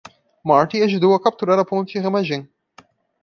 Marty ajudou a capturar a ponte Remagen.